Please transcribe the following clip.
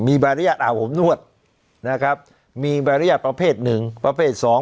มีใบอนุญาตอาบอบนวดนะครับมีใบอนุญาตประเภทหนึ่งประเภทสอง